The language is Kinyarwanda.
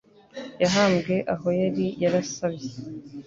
Yahambwe aho yari yarasabye